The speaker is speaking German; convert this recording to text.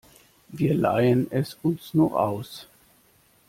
Wir leihen es uns nur aus.